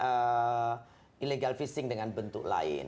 pertama kita harus menggunakan kapal asing yang berbentuk lain